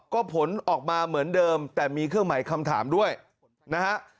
ก็ผลออกมาเหมือนเดิมแต่มีเครื่องหมายคำถามด้วยนะฮะ